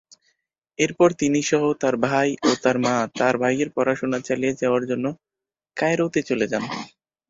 এরপর তিনি সহ তার ভাই ও তার মা তার ভাইয়ের পড়াশোনা চালিয়ে যাওয়ার জন্য কায়রোতে চলে যান।